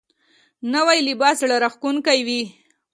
نوی لباس زړه راښکونکی وي